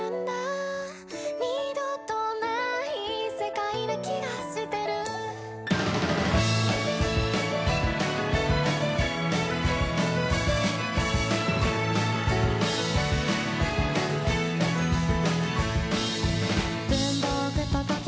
「二度とない世界な気がしてる」「文房具と時計